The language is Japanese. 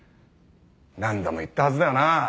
何度も言ったはずだよな。